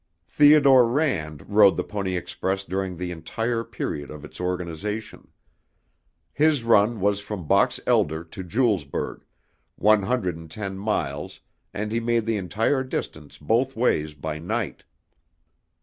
Theodore Rand rode the Pony Express during the entire period of its organization. His run was from Box Elder to Julesburg, one hundred and ten miles and he made the entire distance both ways by night.